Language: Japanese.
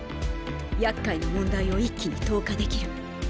やっかいな問題を一気に投下できる。